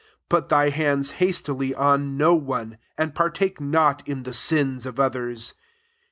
£2 Put thy hands hastily on no one ; and partake not in the sins of others.